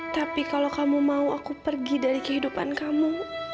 tapi kalau kamu mau aku pergi dari kehidupan kamu